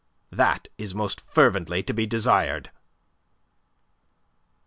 "That is most fervently to be desired."